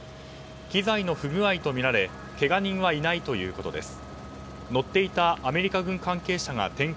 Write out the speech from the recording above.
機材の不具合とみられけが人はいないということです。